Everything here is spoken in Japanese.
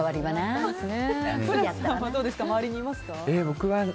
周りにいますか？